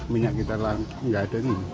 minyak kita nggak ada ini